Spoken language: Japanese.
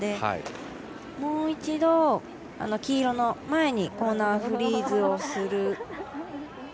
もう一度、黄色の前にコーナーフリーズをする。